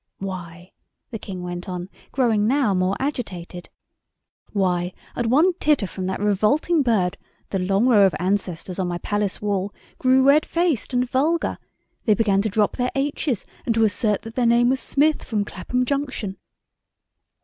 "Why," the King went on, growing now more agitated, "why, at one titter from that revolting bird the long row of ancestors on my Palace wall grew red faced and vulgar; they began to drop their H's and to assert that their name was Smith from Clapham Junction."